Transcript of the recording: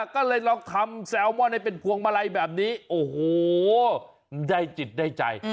ก็เลยลองทำแซลมอนให้เป็นพวงมาลัยแบบนี้โอ้โหได้จิตได้ใจ